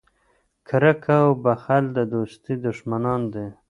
کرکه او بخل د دوستۍ دشمنان دي.